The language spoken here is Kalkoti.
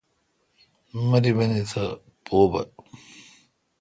مربینی تھا پو بھ۔